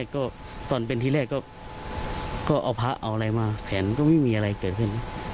ก็ตอนเป็นที่แรกก็เอาพระเอาอะไรมาแขนก็ไม่มีอะไรเกิดขึ้น